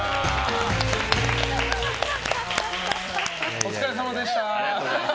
お疲れさまでした。